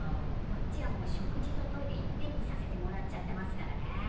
こっちはもう食事とトイレいっぺんにさせてもらっちゃってますからね。